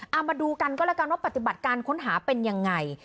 เอามาดูกันก็แล้วกันว่าปฏิบัติการค้นหาเป็นยังไง